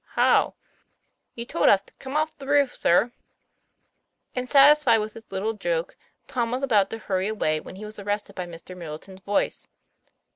"How?" "You told us to 'come off thereof, ' sir." And satisfied with his little joke, Tom was about to hurry away, when he was arrested by Mr. Middle ton's voice.